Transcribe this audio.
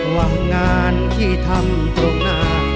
ว่างานที่ทำตรงหน้า